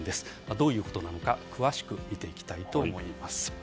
どういうことなのか詳しく見ていきたいと思います。